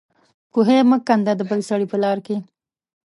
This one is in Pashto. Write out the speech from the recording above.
کوهي مه کېنده د بل سړي په لار کې